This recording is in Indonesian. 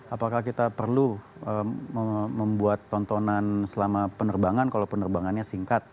apakah kita perlu membuat tontonan selama penerbangan kalau penerbangannya singkat